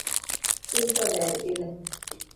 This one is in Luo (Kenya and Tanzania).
Tin to ler ile